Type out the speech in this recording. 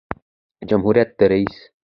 جمهوریت د رئیس